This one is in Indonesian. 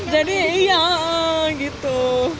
jadi jadi ya gitu